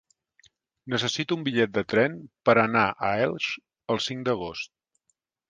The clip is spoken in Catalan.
Necessito un bitllet de tren per anar a Elx el cinc d'agost.